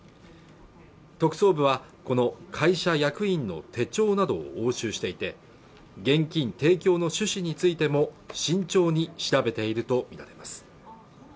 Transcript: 特捜部はこの会社役員の手帳などを押収していて現金提供の趣旨についても慎重に調べていると見られます